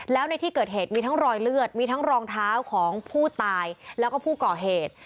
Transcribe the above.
แล้วในที่เกิดเหตุมีทั้งรอยเลือดมีทั้งรองเท้าของผู้ตายแล้วก็ผู้ก่อเหตุ